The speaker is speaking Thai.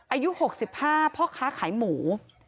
อายุ๖๕พ่อค้าขายหมู